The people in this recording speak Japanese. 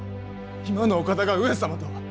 今のお方が上様とは！